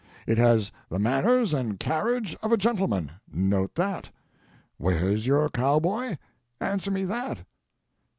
It has the manners and carriage of a gentleman—note that. Where's your cow boy? Answer me that."